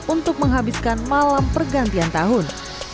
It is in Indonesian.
untuk menghabiskan malam pergantian tahun